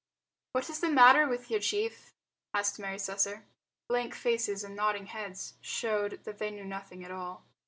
"What is the matter with your chief?" asked Mary Slessor. Blank faces and nodding heads showed that they knew nothing at all.